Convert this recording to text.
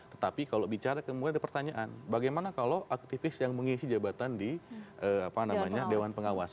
tetapi kalau bicara kemudian ada pertanyaan bagaimana kalau aktivis yang mengisi jabatan di dewan pengawas